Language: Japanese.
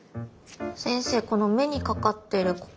先生この目にかかってるここの。